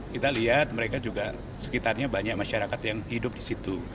kita lihat mereka juga sekitarnya banyak masyarakat yang hidup di situ